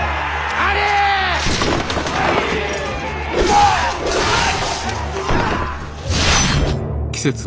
あっ！